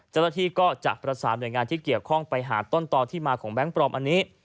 เจ้าหน้าที่ก็จะประสานหน่วยงานที่เกี่ยวข้องไปหาต้นต่อที่มาของแบงค์ปลอมอันนี้